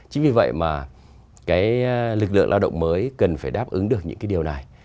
chính vì vậy mà cái lực lượng lao động mới cần phải đáp ứng được những cái điều này